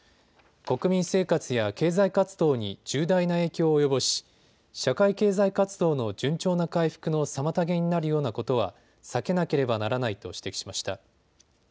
国民生活や経済活動に重大な影響を及ぼし社会経済活動の順調な回復の妨げになるようなことは避けなければならないと指摘しました。